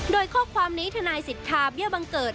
โดยข้อความนี้ทนายสิทธาเบี้ยบังเกิด